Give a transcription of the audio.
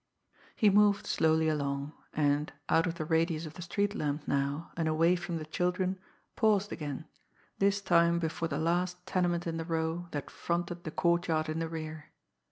He moved slowly along, and, out of the radius of the street lamp now and away from the children, paused again, this time before the last tenement in the row that the front of the courtyard in the rear.